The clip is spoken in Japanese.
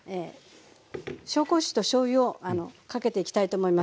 紹興酒としょうゆをかけていきたいと思います。